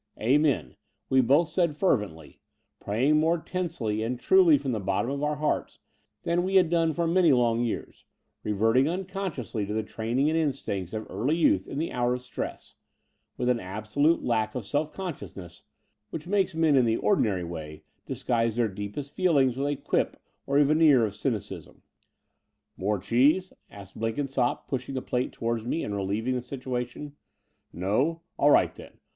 " Amen," we both said fervently, praying more tensely and truly from the bottom of our hearts than we had done for many long years, reverting unconsciously to the training and instincts of early youth in the hour of stress, with an absolute lack of self consciousness, which makes men in the ordi nary way disguise their deepest feelings with a quip or a veneer of C3micism. ''More cheese?" asked Blenldnsopp, pushing the plate towards me and relieving the situation. "No? All right then.